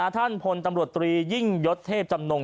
ท่านพลตำรวจตรียิ่งยศเทพจำนง